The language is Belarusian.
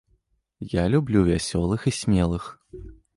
Я люблю вясёлых і смелых.